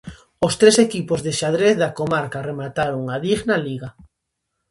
Os tres equipos de xadrez da comarca remataron unha digna liga.